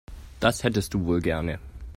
Das hättest du wohl gerne.